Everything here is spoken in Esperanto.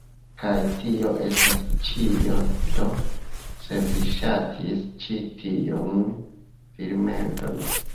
Kaj tio estas ĉio do se vi ŝatis ĉi tiun filmeton